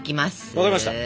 分かりました。